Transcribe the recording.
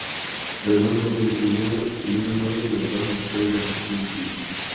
Además de papeles de humor, Lina Morgan intentó hacer papeles de registro distinto.